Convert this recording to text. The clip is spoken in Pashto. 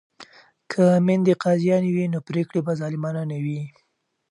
که میندې قاضیانې وي نو پریکړې به ظالمانه نه وي.